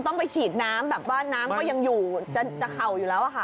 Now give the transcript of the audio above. ต้องไปฉีดน้ำแบบว่าน้ำก็ยังอยู่จะเข่าอยู่แล้วอะค่ะ